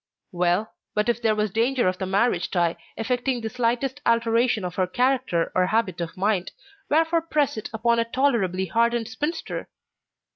Well, but if there was danger of the marriage tie effecting the slightest alteration of her character or habit of mind, wherefore press it upon a tolerably hardened spinster!